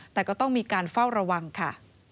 แต่ก็ต้องมีการเฝ้าระวังค่ะ